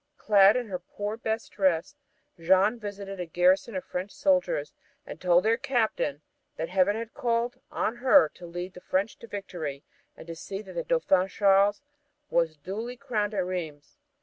Clad in her poor best dress, Jeanne visited a garrison of French soldiers, and told their captain that Heaven had called on her to lead the French to victory and see that the Dauphin Charles was duly crowned at Rheims.